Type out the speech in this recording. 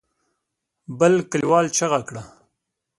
بل کليوال چيغه کړه.